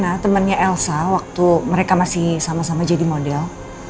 nah temannya elsa waktu mereka masih sama sama jadi model